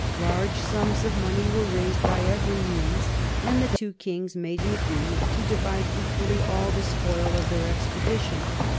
Large sums of money were raised by every means, and the two kings made an agreement to divide equally all the spoil of their expedition.